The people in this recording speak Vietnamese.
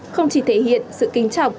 không chỉ thể hiện sự kinh trọng